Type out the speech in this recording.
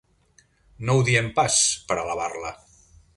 No ho diem pas per alabar-la